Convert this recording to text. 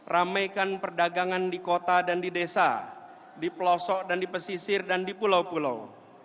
ramaikan perdagangan di kota dan di desa di pelosok dan di pesisir dan di pulau pulau